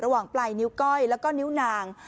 ระหว่างปลายนิ้วก้อยเน้วนาง